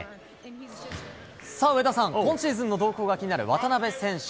さあ、上田さん、今シーズンの動向が気になる渡邊選手。